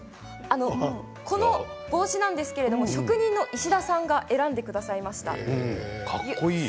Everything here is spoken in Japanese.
この帽子なんですけど職人の石田さんが選んでくださいました。